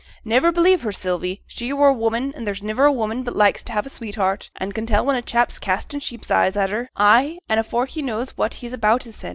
'Niver believe her, Sylvie. She were a woman, and there's niver a woman but likes to have a sweetheart, and can tell when a chap's castin' sheep's eyes at her; ay, an' afore he knows what he's about hissen.